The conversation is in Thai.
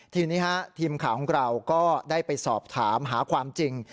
ทีนี้ทีมข่าวของเราก็ได้ไปสอบถามหาความจริง